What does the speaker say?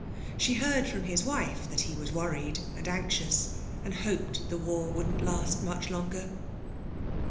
She heard from his wife that he was worried and anxious, and hoped the war wouldn't last much longer.